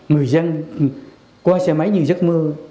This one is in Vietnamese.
người dân qua xe máy như giấc mơ